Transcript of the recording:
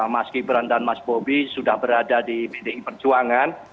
mas gibran dan mas bobi sudah berada di pdi perjuangan